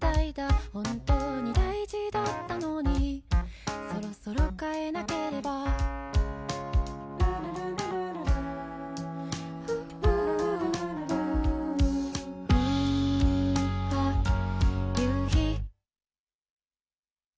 本当に大事だったのにそろそろ変えなければあ、夕陽。